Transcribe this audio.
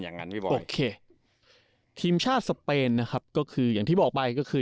งั้นพี่บอลโอเคทีมชาติสเปนนะครับก็คืออย่างที่บอกไปก็คือ